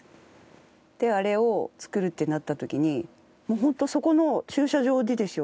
であれを作るってなった時にもう本当そこの駐車場でですよ